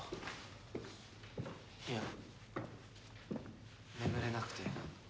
いや眠れなくて。